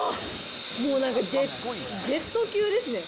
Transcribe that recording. もうジェット級ですね。